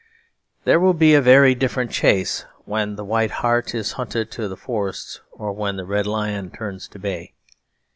There will be a very different chase when the White Hart is hunted to the forests or when the Red Lion turns to bay.